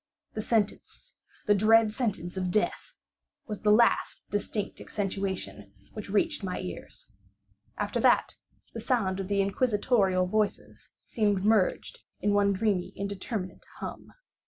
The sentence—the dread sentence of death—was the last of distinct accentuation which reached my ears. After that, the sound of the inquisitorial voices seemed merged in one dreamy indeterminate hum.